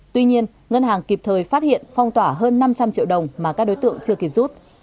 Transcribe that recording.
tuy nhiên ngân hàng kịp thời phát hiện phong tỏa hơn năm trăm linh triệu đồng mà các đối tượng chưa kịp rút